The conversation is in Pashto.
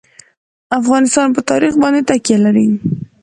افغانستان په تاریخ باندې تکیه لري.